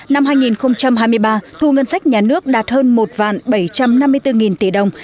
năm hai nghìn hai mươi ba thu ngân sách nhà nước đạt hơn một bảy trăm năm mươi bốn tỷ đồng